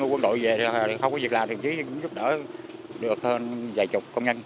khi quân đội về thì không có việc làm thậm chí cũng giúp đỡ được hơn vài chục công nhân